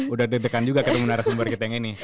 udah deg degan juga ketemu narasumber kita yang ini